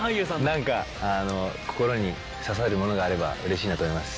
何か心に刺さるものがあればうれしいなと思います。